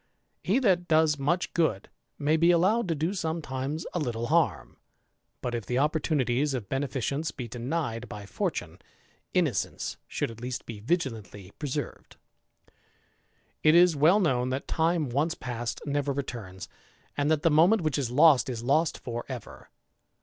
He that does much good, may be allowed to o soxnetimes a little harm. But if the opportunities of •eneficence be denied by fortune, innocence should at least »c vigilantly preserved. It is well known, that time once past never returns ; and hat the moment which is lost is lost for ever.